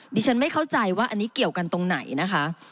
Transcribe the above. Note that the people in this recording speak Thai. ดิฉันไม่เข้าใจว่าอันนี้เกี่ยวกันตรงไหนนะคะ